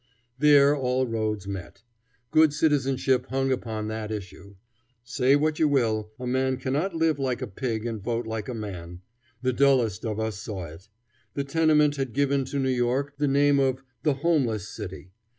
There all roads met. Good citizenship hung upon that issue. Say what you will, a man cannot live like a pig and vote like a man. The dullest of us saw it. The tenement had given to New York the name of "the homeless city."